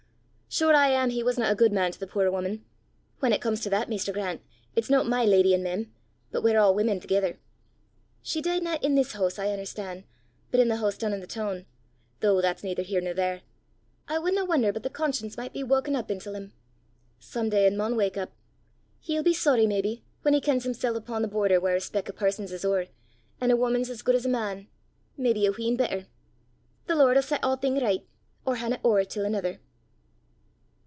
Sure I am he wasna a guid man to the puir wuman! whan it comes to that, maister Grant, it's no my leddy an' mem, but we're a' women thegither! She dee'dna i' this hoose, I un'erstan'; but i' the hoose doon i' the toon though that's neither here nor there. I wadna won'er but the conscience micht be waukin' up intil 'im! Some day it maun wauk up. He'll be sorry, maybe, whan he kens himsel' upo' the border whaur respec' o' persons is ower, an' a woman's 's guid 's a man maybe a wheen better! The Lord 'll set a'thing richt, or han' 't ower til anither!"